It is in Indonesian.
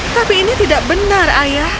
tapi ini tidak benar ayah